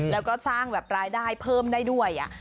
แล้วก็สร้างแบบรายได้เพิ่มได้ด้วย